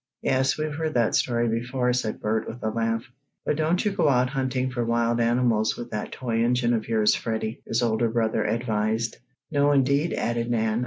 "Yes, we've heard that story before," said Bert, with a laugh. "But don't you go out hunting for wild animals with that toy engine of yours, Freddie!" his older brother advised. "No, indeed," added Nan.